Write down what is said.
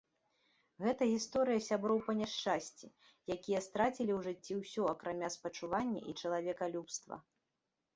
Гэта гісторыя сяброў па няшчасці, якія страцілі ў жыцці ўсё, акрамя спачування і чалавекалюбства.